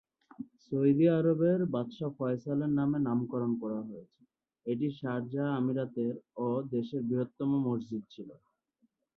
Saudi আরবের বাদশাহ ফয়সালের নামে নামকরণ করা হয়েছে, এটি শারজাহ আমিরাতের ও দেশের বৃহত্তম মসজিদ ছিল।